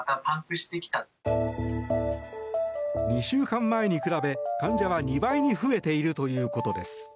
２週間前に比べ患者は２倍に増えているということです。